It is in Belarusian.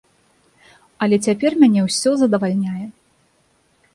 Але цяпер мяне ўсё задавальняе.